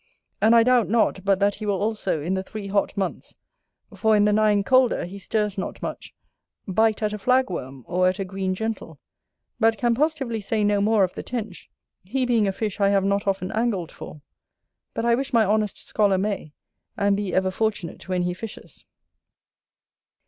And I doubt not but that he will also, in the three hot months, for in the nine colder he stirs not much, bite at a flag worm or at a green gentle; but can positively say no more of the Tench, he being a fish I have not often angled for; but I wish my honest scholar may, and be ever fortunate when he fishes.